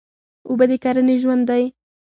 اوبه د کرنې ژوند دی.